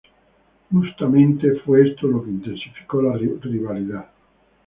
Justamente fue esto lo que intensificó la rivalidad.